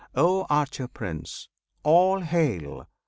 O Archer Prince! all hail!